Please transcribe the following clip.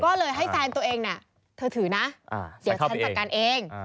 ก็เลยให้แฟนตัวเองเนี่ยเธอถือนะเดี๋ยวฉันจัดการเอง